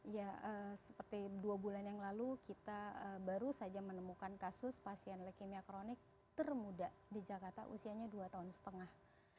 ya seperti dua bulan yang lalu kita baru saja menemukan kasus pasien leukemia kronik termuda di jakarta usianya dua tahun setengah